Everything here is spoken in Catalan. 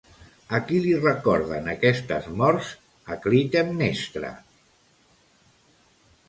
A qui li recorden aquestes morts a Clitemnestra?